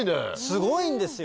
すごいんですよ。